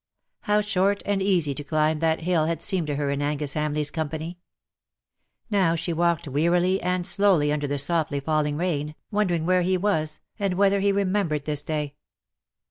How short and easy to climb that hill had seemed to her in Angus HamleigVs company ! Now she walked wearily and slowly under the softly falling rain, wondering where he was, and whether he remembered this day.